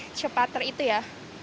lebih cepat teritu ya